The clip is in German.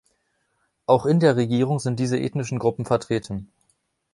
Auch in der Regierung sind diese ethnischen Gruppen vertreten.